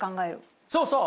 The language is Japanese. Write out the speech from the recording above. そうそう。